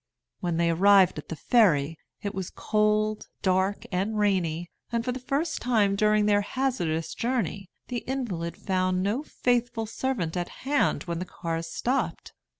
When they arrived at the ferry, it was cold, dark, and rainy; and for the first time during their hazardous journey the invalid found no faithful servant at hand when the cars stopped.